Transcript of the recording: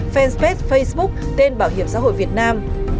fanpage facebook tên bảo hiểm xã hội việt nam